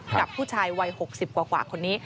กับผู้ชายวัย๖๐กว่าคนนี้